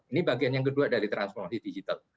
ini bagian yang kedua dari transformasi digital